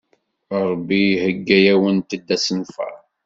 Ṛebbi iheyya-awent-d asenfar.